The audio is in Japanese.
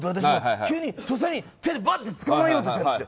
急に、とっさに手で捕まえようとしたんですよ。